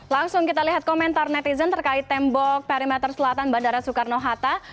langsung kita lihat komentar netizen terkait tembok perimeter selatan bandara soekarno hatta